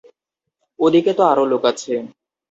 ওদিকে তো আরো লোক আছে।